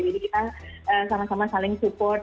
jadi kita sama sama saling support